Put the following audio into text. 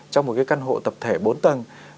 trong một cái căn hộ tập thể bốn tầng